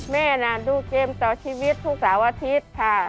แม่น่ะดูเกมต่อชีวิตทุกเสาร์อาทิตย์ค่ะ